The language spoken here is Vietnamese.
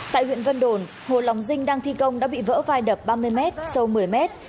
tại huyện vân đồn hồ lòng dinh đang thi công đã bị vỡ vai đập ba mươi mét sâu một mươi mét